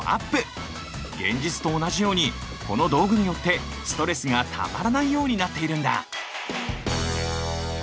現実と同じようにこの道具によってストレスがたまらないようになっているんだ